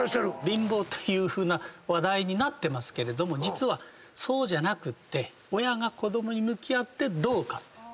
貧乏というふうな話題になってますけれども実はそうじゃなくって親が子供に向き合ってどうかっていう。